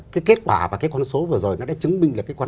cái kết quả và cái con số vừa rồi nó đã chứng minh là cái quan